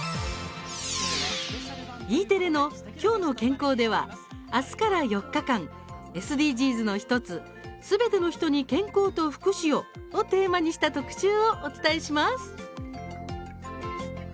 Ｅテレの「きょうの健康」ではあすから４日間、ＳＤＧｓの１つ「すべての人に健康と福祉を」をテーマにした特集をお伝えします。